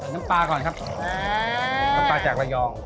น้ำปลาก่อนครับน้ำปลาจากระยอง